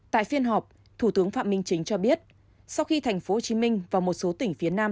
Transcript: tại phiên họp thủ tướng phạm minh chính cho biết sau khi tp hcm và một số tỉnh phía nam